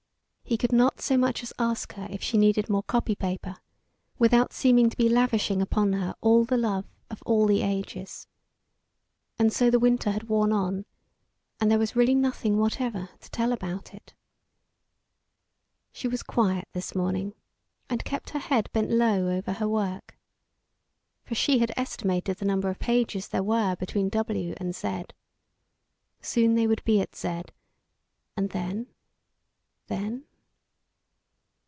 He could not so much as ask her if she needed more copy paper without seeming to be lavishing upon her all the love of all the ages. And so the winter had worn on, and there was really nothing whatever to tell about it. She was quiet this morning, and kept her head bent low over her work. For she had estimated the number of pages there were between W and Z. Soon they would be at Z; and then? Then?